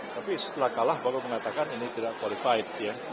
tapi setelah kalah baru mengatakan ini tidak qualified ya